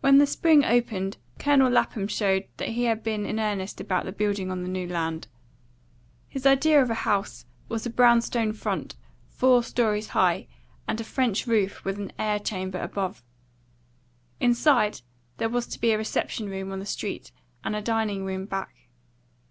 When the spring opened Colonel Lapham showed that he had been in earnest about building on the New Land. His idea of a house was a brown stone front, four stories high, and a French roof with an air chamber above. Inside, there was to be a reception room on the street and a dining room back.